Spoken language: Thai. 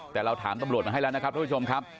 แต่เราถามตำรวจมาให้แล้วนะครับทุกผู้ชมครับ